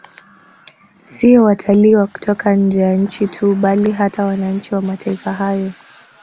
Siyo watalii wa kutoka nje ya nchi tu bali hata wananchi wa mataifa hayo